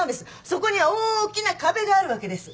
そこには大きな壁があるわけです。